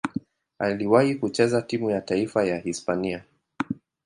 Aliwahi kucheza timu ya taifa ya Hispania.